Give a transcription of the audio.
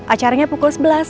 acaranya pukul sebelas